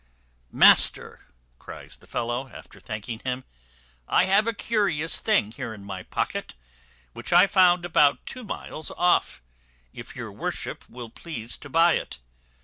"Master," cries the fellow, after thanking him, "I have a curious thing here in my pocket, which I found about two miles off, if your worship will please to buy it.